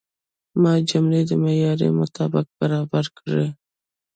ما جملې د معیار مطابق برابرې کړې.